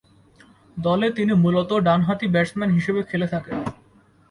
দলে তিনি মূলতঃ ডানহাতি ব্যাটসম্যান হিসেবে খেলে থাকেন।